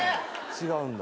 違うんだ。